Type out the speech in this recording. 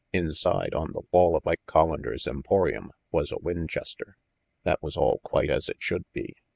Inside, on the wall of Ike Collander's emporium, was a Winchester. That was all quite as it should be.